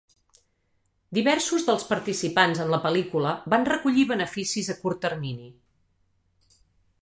Diversos dels participants en la pel·lícula van recollir beneficis a curt termini.